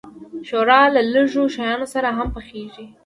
ښوروا له لږو شیانو سره هم پخیږي.